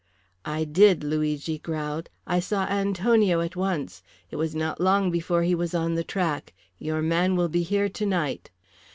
"I did," Luigi growled, "I saw Antonio at once. It was not long before he was on the track. Your man will be here tonight."